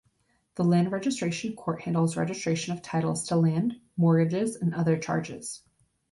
The Land Registration Court handles registration of titles to land, mortgages and other charges.